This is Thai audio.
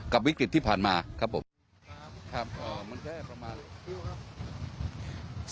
กับวิกฤตที่ผ่านมาครับผมครับเอ่อมันแค่ประมาณ